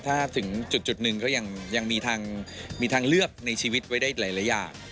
ถ้าถึงจุดหนึ่งก็ยังมีทางเลือกในชีวิตไว้ได้หลายอย่าง